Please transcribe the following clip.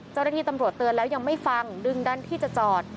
เจ้าหน้าที่ตำรวจเตือนแล้วยังไม่ฟังดึงดันที่จะจอด